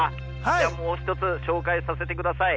じゃもう一つ紹介させてください。